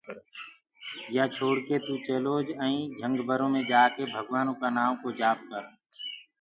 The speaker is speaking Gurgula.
يآ ڇوڙڪي چلوج ائيٚنٚ توٚ جهنگ برو مي جآڪي ڀگوآنو نآئونٚ ڪو جپ ڪر